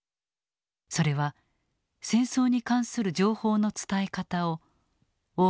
それは戦争に関する情報の伝え方を大きく変えていくことになる。